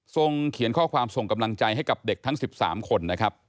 เขียนข้อความส่งกำลังใจให้กับเด็กทั้ง๑๓คนนะครับ